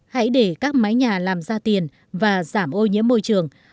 hãy để các mái nhà làm ra tiền và giảm ô nhiễm môi trường